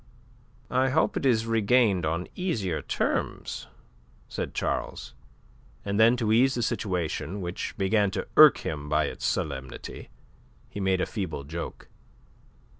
"I hope it is to be regained on easier terms," said Charles; and then to ease the situation which began to irk him by its solemnity, he made a feeble joke.